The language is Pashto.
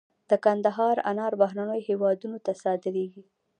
د کندهار انار بهرنیو هیوادونو ته صادریږي.